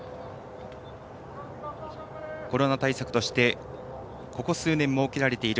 コロナ対策としてここ数年設けられている